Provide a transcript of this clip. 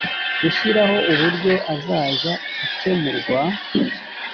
gushyiraho uburyo azajya akemurwa